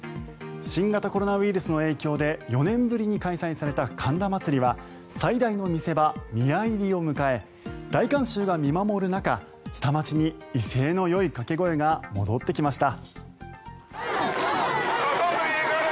新型コロナウイルスの影響で４年ぶりに開催された神田祭は最大の見せ場、宮入を迎え大観衆が見守る中下町に威勢のよい掛け声が戻ってきました。